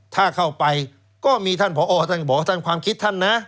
ถ้าเข้าไปก็มีพอท่านก็บอกความคิดน่ะ